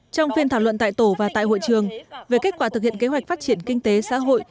trong phiên thảo luận tại tổ và tại hội trường về kết quả thực hiện kế hoạch phát triển kinh tế xã hội